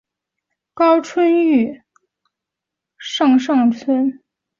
高春育是乂安省演州府东城县高舍总高舍社盛庆村出生。